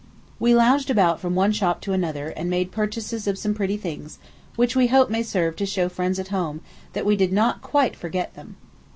We lounged about from one shop to another, and made purchases of some pretty things, which we hope may serve to show friends at home that we did not quite forget them.